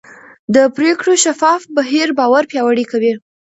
د پرېکړو شفاف بهیر باور پیاوړی کوي